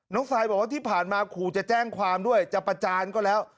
ซายบอกว่าที่ผ่านมาขู่จะแจ้งความด้วยจะประจานก็แล้ว